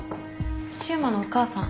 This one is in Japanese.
柊磨のお母さん。